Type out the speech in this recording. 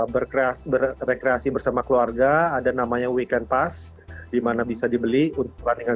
berkreasi bersama keluarga ada namanya weekend pass di mana bisa dibeli untuk perbandingan